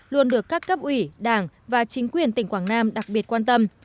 luôn được các cấp ủy đảng và chính quyền tỉnh quảng nam đặc biệt quan tâm